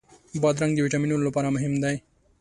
بادرنګ د ویټامینونو لپاره مهم دی.